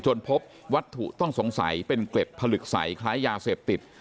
พบวัตถุต้องสงสัยเป็นเกล็ดผลึกใสคล้ายยาเสพติด